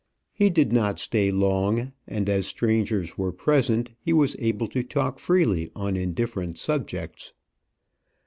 He did not stay long; and as strangers were present, he was able to talk freely on indifferent subjects.